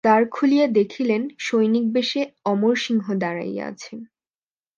দ্বার খুলিয়া দেখিলেন, সৈনিকবেশে অমরসিংহ দাঁড়াইয়া আছেন।